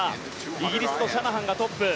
イギリスのシャナハンがトップ。